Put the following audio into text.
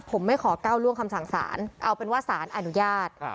ผมไม่ขอก้าวล่วงคำสั่งสารเอาเป็นว่าสารอนุญาต